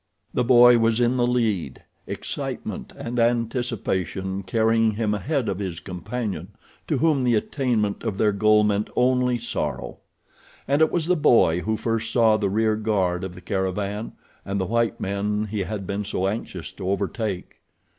The boy was in the lead, excitement and anticipation carrying him ahead of his companion to whom the attainment of their goal meant only sorrow. And it was the boy who first saw the rear guard of the caravan and the white men he had been so anxious to overtake.